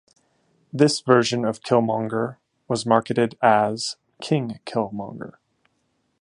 This version of Killmonger was marketed as "King Killmonger".